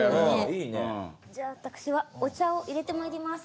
じゃあ私はお茶を入れてまいります。